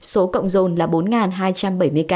số cộng dồn là bốn hai trăm bảy mươi ca